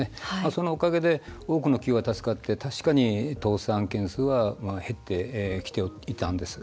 そのおかげで多くの企業が助かって確かに、倒産件数は減ってきていたんです。